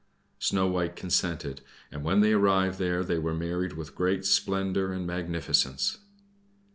Snow White consented, and when they arrived there they were married with great splendor and magnificence.